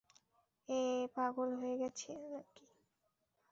এএএএ,, পাগল হয়ে গেছ নাকি?